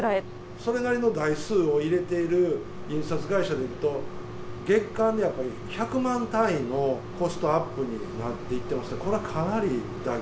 それなりの台数を入れている印刷会社でいうと、月間でやっぱり１００万単位のコストアップになっていっています。